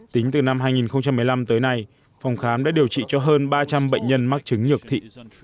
tính từ năm hai nghìn một mươi năm tới nay phòng khám đã điều trị cho hơn ba trăm linh bệnh nhân mắc chứng nhược thị